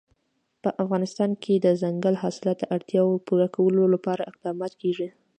په افغانستان کې د دځنګل حاصلات د اړتیاوو پوره کولو لپاره اقدامات کېږي.